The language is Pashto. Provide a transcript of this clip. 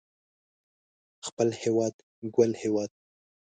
خپل هيواد ګل هيواد